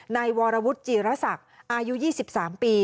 นายวรวุฒิจีรศักดิ์อายุ๒๓ปี